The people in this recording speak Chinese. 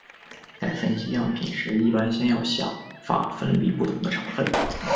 在分析样品时一般先要想法分离不同的成分。